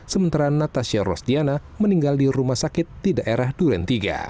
sementara natasha rosdiana meninggal di rumah sakit di daerah duren tiga